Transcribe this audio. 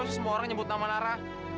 semua orang nyebut nama nara